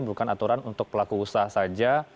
bukan aturan untuk pelaku usaha saja